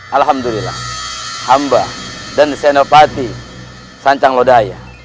alhamdulillah hamba dan senopati sancang lodaya